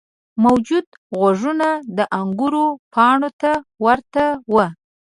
موجود غوږونه د انګور پاڼو ته ورته وو.